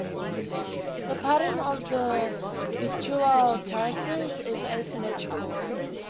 The pattern of the Vistula terraces is asymmetrical.